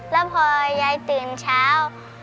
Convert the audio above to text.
แล้วพอยายตื่นเช้า